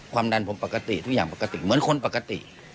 ความดันผมปกติทุกอย่างปกติเหมือนคนปกติ